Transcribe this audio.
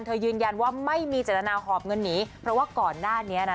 เธอยืนยันว่าไม่มีจัดนาฬิการหอบเงินนี้เพราะว่าก่อนหน้านี้